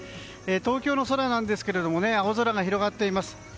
東京の空なんですが青空が広がっています。